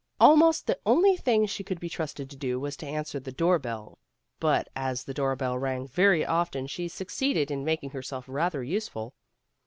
Almost the only thing she could be trusted to do was to answer the door bell, but as the bell rang very often, she suc ceeded in making herself rather useful.